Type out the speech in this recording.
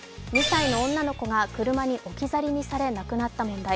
２歳の女の子が車に置き去りにされ亡くなった問題。